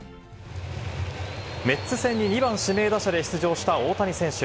メッツ戦に２番指名打者で出場した大谷選手。